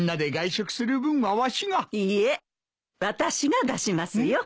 私が出しますよ。